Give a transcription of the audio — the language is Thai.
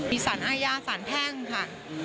มีศาลอาหญ้าศาลแพ่งค่ะ